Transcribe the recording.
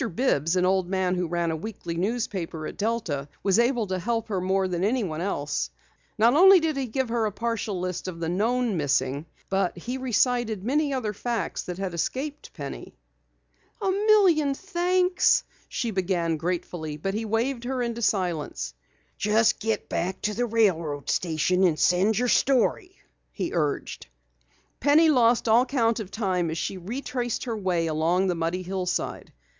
Bibbs, an old man who ran a weekly newspaper at Delta, was able to help her more than anyone else. Not only did he give her a partial list of the known missing, but he recited many other facts that had escaped Penny. "A million thanks " she began gratefully, but he waved her into silence. "Just get back to the railroad station and send your story," he urged. Penny lost all count of time as she retraced her way along the muddy hillside.